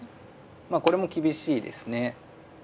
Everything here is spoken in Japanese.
まあこれも厳しいですね。